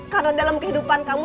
karena dalam kehidupan kamu